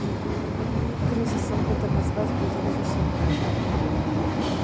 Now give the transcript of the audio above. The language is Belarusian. Крызісам гэта назваць будзе не зусім правільна.